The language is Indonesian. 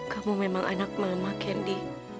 kamu memang anak mama kendi